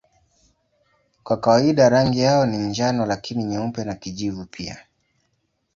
Kwa kawaida rangi yao ni njano lakini nyeupe na kijivu pia.